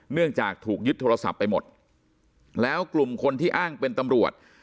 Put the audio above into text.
เนื่องจากถูกยึดโทรศัพท์ไปหมดแล้วกลุ่มคนที่อ้างเป็นตำรวจ